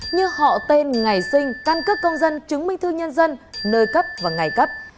như họ tên ngày sinh căn cước công dân chứng minh thư nhân dân nơi cấp và ngày cấp